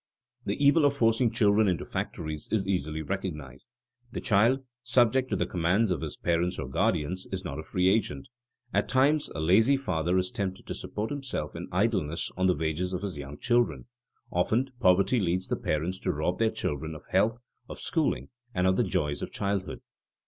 The evil of forcing children into factories is easily recognized. The child, subject to the commands of his parents or guardians, is not a free agent. At times a lazy father is tempted to support himself in idleness on the wages of his young children. Often poverty leads the parents to rob their children of health, of schooling, and of the joys of childhood.